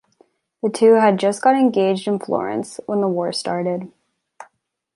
The two had just got engaged in Florence when the war started.